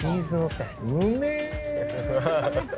うめえ！